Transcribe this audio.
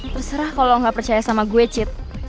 terserah kalo lo gak percaya sama gue cit